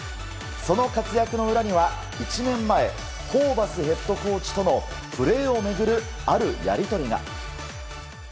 その活躍の裏には１年前ホーバスヘッドコーチとのプレーを巡るあるやり取りが。